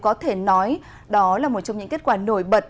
có thể nói đó là một trong những kết quả nổi bật